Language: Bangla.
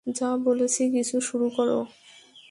যা বলেছি গিয়ে শুরু কর।